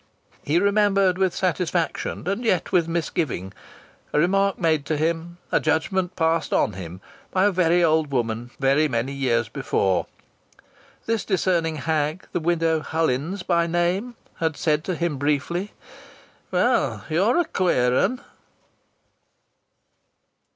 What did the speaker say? He remembered with satisfaction, and yet with misgiving, a remark made to him, a judgment passed on him, by a very old woman very many years before. This discerning hag, the Widow Hullins by name, had said to him briefly, "Well, you're a queer 'un!"